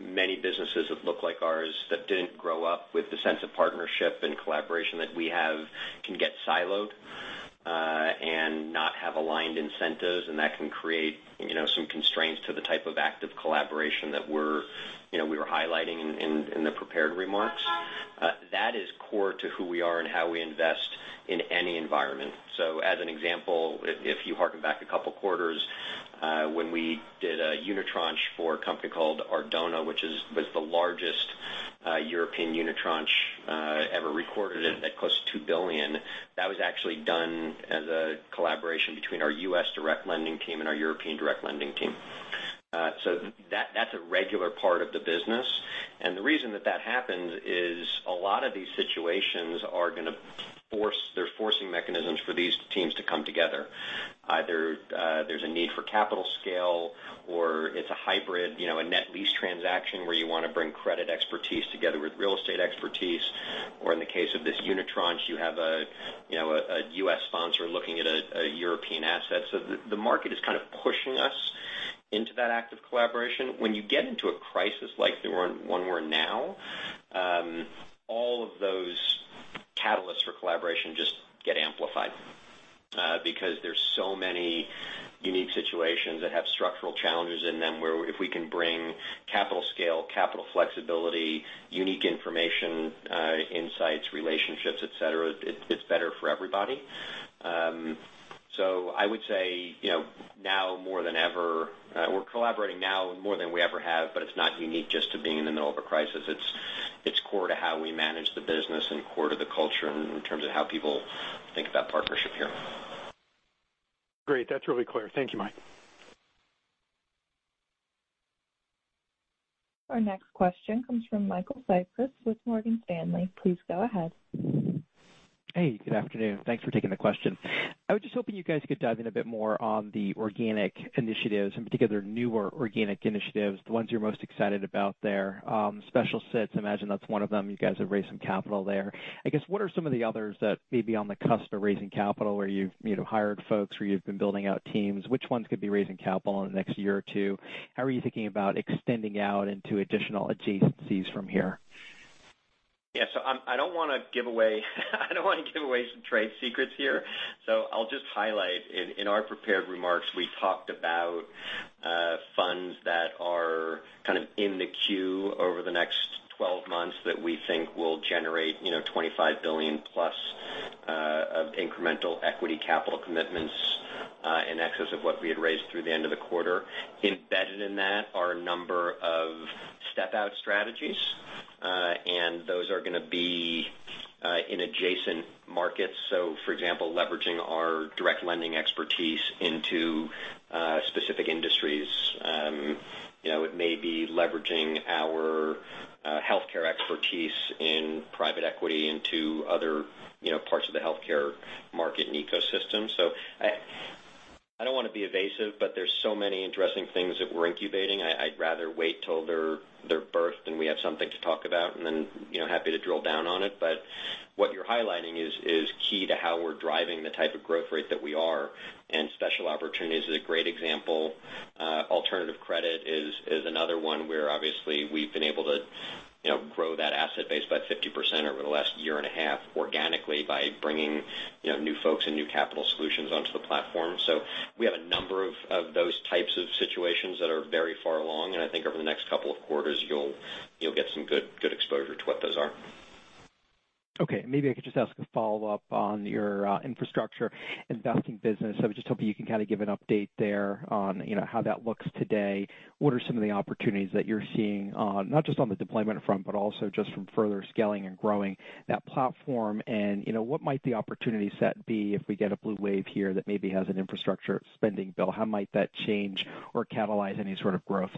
many businesses that look like ours that didn't grow up with the sense of partnership and collaboration that we have can get siloed, and not have aligned incentives, and that can create some constraints to the type of active collaboration that we were highlighting in the prepared remarks. That is core to who we are and how we invest in any environment. As an example, if you harken back a couple quarters, when we did a unitranche for a company called Ardonagh, which was the largest European unitranche ever recorded at close to $2 billion. That was actually done as a collaboration between our U.S. direct lending team and our European direct lending team. That's a regular part of the business. The reason that that happens is a lot of these situations, there's forcing mechanisms for these teams to come together. Either there's a need for capital scale, or it's a hybrid, a net lease transaction where you want to bring credit expertise together with real estate expertise. Or in the case of this unitranche, you have a U.S. sponsor looking at a European asset. The market is kind of pushing us into that active collaboration. When you get into a crisis like the one we're in now, all of those catalysts for collaboration just get amplified. There's so many unique situations that have structural challenges in them, where if we can bring capital scale, capital flexibility, unique information, insights, relationships, et cetera, it's better for everybody. I would say, we're collaborating now more than we ever have, but it's not unique just to being in the middle of a crisis. It's core to how we manage the business and core to the culture in terms of how people think about partnership here. Great. That's really clear. Thank you, Mike. Our next question comes from Michael Cyprys with Morgan Stanley. Please go ahead. Hey, good afternoon. Thanks for taking the question. I was just hoping you guys could dive in a bit more on the organic initiatives, in particular, newer organic initiatives, the ones you're most excited about there. Special sits, I imagine that's one of them. You guys have raised some capital there. I guess, what are some of the others that may be on the cusp of raising capital where you've hired folks where you've been building out teams? Which ones could be raising capital in the next year or two? How are you thinking about extending out into additional adjacencies from here? Yeah. I don't want to give away some trade secrets here, so I'll just highlight. In our prepared remarks, we talked about funds that are kind of in the queue over the next 12 months that we think will generate $25 billion plus of incremental equity capital commitments in excess of what we had raised through the end of the quarter. Embedded in that are a number of step-out strategies. Those are going to be in adjacent markets. For example, leveraging our direct lending expertise into specific industries. It may be leveraging our healthcare expertise in private equity into other parts of the healthcare market and ecosystem. I don't want to be evasive, but there's so many interesting things that we're incubating. I'd rather wait till they're birthed and we have something to talk about and then, happy to drill down on it. What you're highlighting is key to how we're driving the type of growth rate that we are. And special opportunity is a great example. Alternative credit is another one where obviously we've been able to grow that asset base by 50% over the last year and a half organically by bringing new folks and new capital solutions onto the platform. So we have a number of those types of situations that are very far along, and I think over the next couple of quarters, you'll get some good exposure to what those are. Okay. Maybe I could just ask a follow-up on your infrastructure investing business. I was just hoping you can kind of give an update there on how that looks today. What are some of the opportunities that you're seeing, not just on the deployment front, but also just from further scaling and growing that platform and what might the opportunity set be if we get a blue wave here that maybe has an infrastructure spending bill? How might that change or catalyze any sort of growth?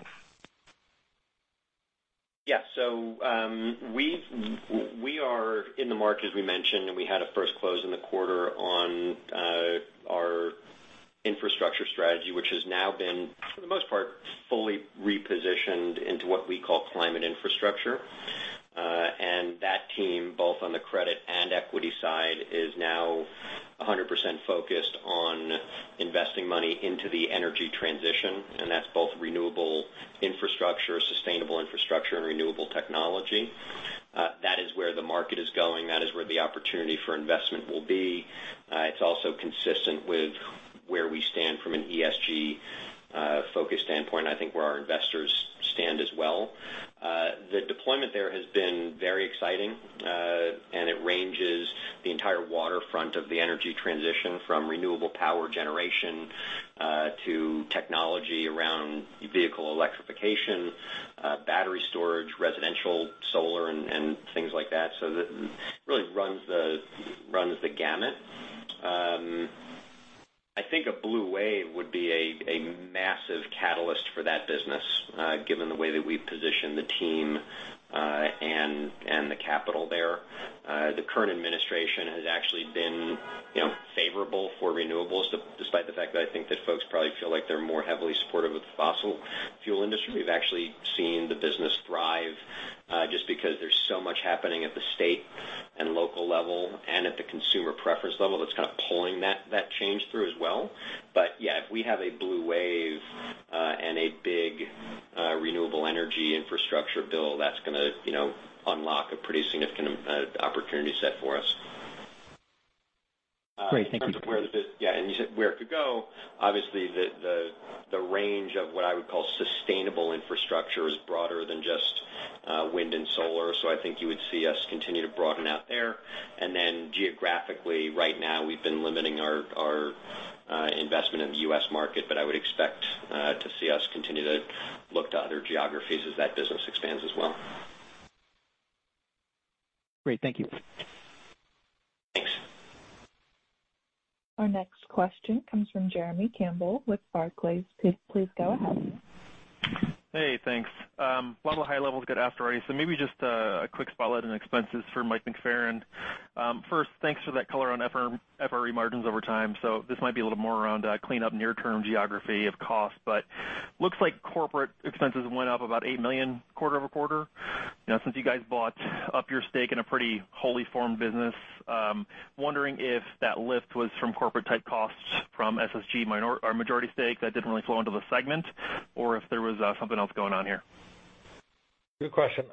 We are in the mark, as we mentioned, and we had a first close in the quarter on our infrastructure strategy, which has now been, for the most part, fully repositioned into what we call climate infrastructure. That team, both on the credit and equity side, is now 100% focused on investing money into the energy transition, and that's both renewable infrastructure, sustainable infrastructure, and renewable technology. That is where the market is going. That is where the opportunity for investment will be. It's also consistent with where we stand from an ESG-focused standpoint, and I think where our investors stand as well. The deployment there has been very exciting, and it ranges the entire waterfront of the energy transition from renewable power generation to technology around vehicle electrification, battery storage, residential solar, and things like that. It really runs the gamut. I think a blue wave would be a massive catalyst for that business, given the way that we've positioned the team and the capital there. The current administration has actually been favorable for renewables, despite the fact that I think that folks probably feel like they're more heavily supportive of the fossil fuel industry. We've actually seen the business thrive, just because there's so much happening at the state and local level, and at the consumer preference level, that's kind of pulling that change through as well. Yeah, if we have a blue wave and a big renewable energy infrastructure bill, that's going to unlock a pretty significant opportunity set for us. Great. Thank you. Yeah, you said where it could go. Obviously, the range of what I would call sustainable infrastructure is broader than just wind and solar. I think you would see us continue to broaden out there. Geographically, right now, we've been limiting our investment in the U.S. market, but I would expect to see us continue to look to other geographies as that business expands as well. Great. Thank you. Our next question comes from Jeremy Campbell with Barclays. Please go ahead. Hey, thanks. Lot of the high levels got asked already, maybe just a quick spotlight on expenses for Mike McFerran. First, thanks for that color on FRE margins over time. This might be a little more around clean up near term geography of cost, but looks like corporate expenses went up about $8 million quarter-over-quarter. Since you guys bought up your stake in a pretty wholly formed business, I'm wondering if that lift was from corporate type costs from SSG majority stake that didn't really flow into the segment, or if there was something else going on here? Good question.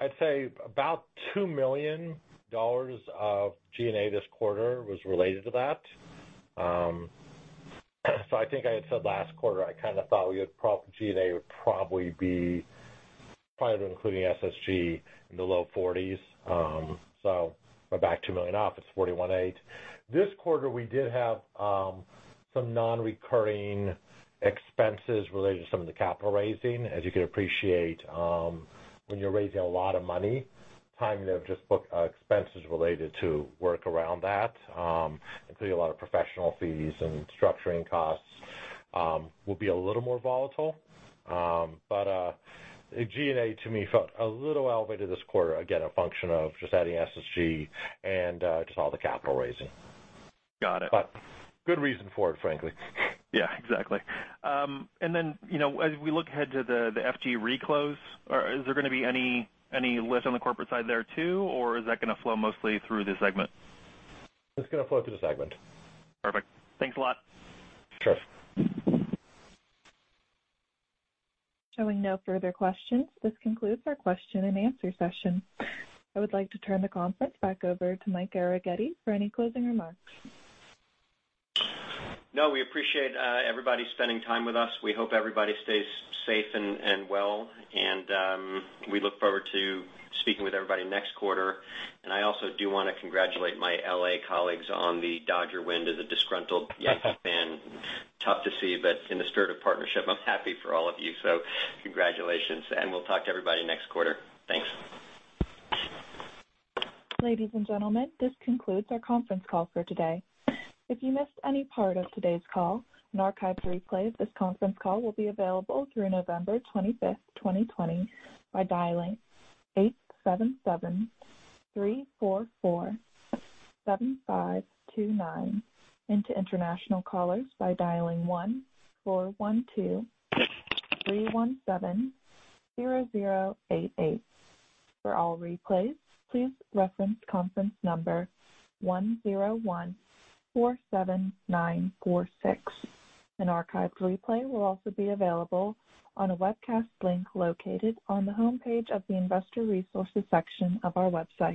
I'd say about $2 million of G&A this quarter was related to that. I think I had said last quarter, I kind of thought G&A would probably be, prior to including SSG, in the low 40s. We're back $2 million off. It's 41 eight. This quarter, we did have some non-recurring expenses related to some of the capital raising. As you can appreciate, when you're raising a lot of money, timing of just book expenses related to work around that, including a lot of professional fees and structuring costs, will be a little more volatile. G&A, to me, felt a little elevated this quarter. Again, a function of just adding SSG and just all the capital raising. Got it. Good reason for it, frankly. Yeah, exactly. As we look ahead to the F&G Re close, is there going to be any lift on the corporate side there too, or is that going to flow mostly through the segment? It's going to flow through the segment. Perfect. Thanks a lot. Sure. Showing no further questions, this concludes our question and answer session. I would like to turn the conference back over to Mike Arougheti for any closing remarks. No, we appreciate everybody spending time with us. We hope everybody stays safe and well, and we look forward to speaking with everybody next quarter. I also do want to congratulate my L.A. colleagues on the Dodgers win to the disgruntled Yankees fan. Tough to see, in the spirit of partnership, I'm happy for all of you. Congratulations, we'll talk to everybody next quarter. Thanks. Ladies and gentlemen, this concludes our conference call for today. If you missed any part of today's call, an archived replay of this conference call will be available through November 25th, 2020, by dialing 877-344-7529. To international callers, by dialing 1-412-317-0088. For all replays, please reference conference number 10147946. An archived replay will also be available on a webcast link located on the homepage of the Investor Resources section of our website.